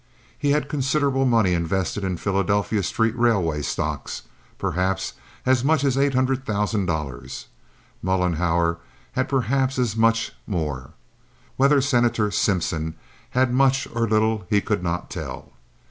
He had considerable money invested in Philadelphia street railway stocks—perhaps as much as eight hundred thousand dollars. Mollenhauer had perhaps as much more. Whether Senator Simpson had much or little he could not tell.